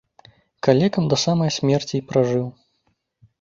Калекам да самае смерці і пражыў.